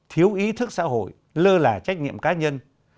thiếu ý thức xã hội lơ là trách nhiệm cá nhân